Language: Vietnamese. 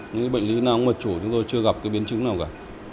những bệnh lý nang ống mật chủ chúng tôi chưa gặp cái biến chứng nào cả